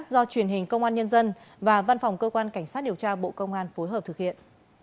do truyền hình công an nhân dân và văn phòng cơ quan cảnh sát điều tra bộ công an phối hợp thực hiện